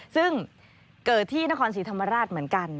ซึ่งเกิดที่นครศรีธรรมราชเหมือนกัน